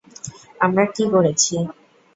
আমরা কি করেছি?